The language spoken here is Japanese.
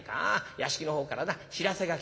屋敷の方からな知らせが来た。